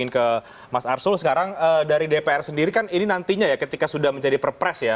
ke mas arsul sekarang dari dpr sendiri kan ini nantinya ya ketika sudah menjadi perpres ya